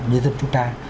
của nhân dân chúng ta